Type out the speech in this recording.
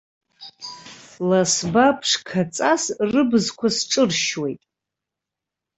Ласба ԥшқаҵас рыбзқәа сҿыршьуеит.